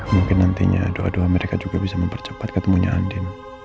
mungkin nantinya dua dua mereka juga bisa mempercepat ketemunya andi